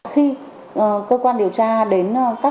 khi cơ quan điều tra đến các trung tâm